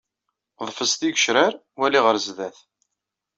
Ḍfes tigecrar, wali ɣer sdat.